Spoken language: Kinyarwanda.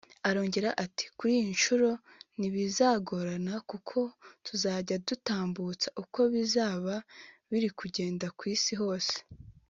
Arongera ati “Kuri iyi nshuro ntibizagorana kuko tuzajya dutambutsa uko bizaba biri kugenda ku Isi hose